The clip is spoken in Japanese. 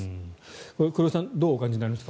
これ、黒井さんどうお感じになりますか。